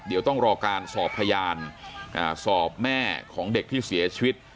เดี๋ยวต้องรอการสอบพยานสอบแม่ของเด็กที่เสียชีวิต